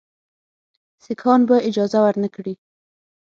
سیکهان به اجازه ورنه کړي.